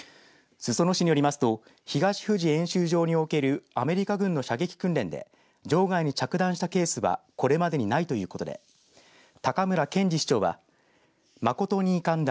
裾野市によりますと東富士演習場におけるアメリカ軍の射撃訓練で場外に着弾したケースはこれまでにないということで高村謙二市長は誠に遺憾だ。